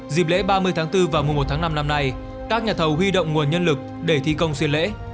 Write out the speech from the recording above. dịp lễ ba mươi tháng bốn và mùa một tháng năm năm nay các nhà thầu huy động nguồn nhân lực để thi công xuyên lễ